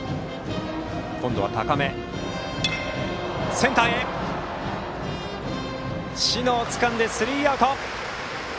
センター、小竹がつかんでスリーアウト。